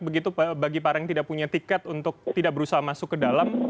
begitu bagi para yang tidak punya tiket untuk tidak berusaha masuk ke dalam